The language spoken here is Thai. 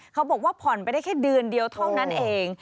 เขาบอกว่าผ่อนไปได้แค่เดือนเดียวเท่านั้นเอง